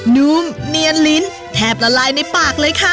นุ่มเนียนลิ้นแทบละลายในปากเลยค่ะ